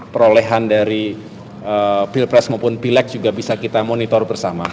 perolehan dari pilpres maupun pilek juga bisa kita monitor bersama